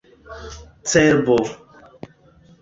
cerbo